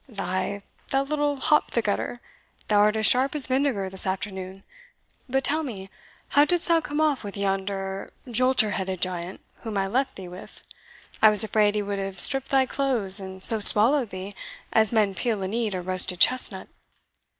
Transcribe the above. "Thy, thou little hop the gutter, thou art as sharp as vinegar this afternoon! But tell me, how didst thou come off with yonder jolterheaded giant whom I left thee with? I was afraid he would have stripped thy clothes, and so swallowed thee, as men peel and eat a roasted chestnut."